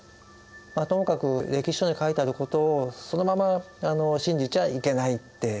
まあともかく歴史書に書いてあることをそのまま信じちゃいけないっていうことですね。